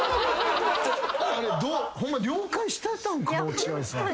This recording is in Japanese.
あれホンマ了解してたんかな落合さん。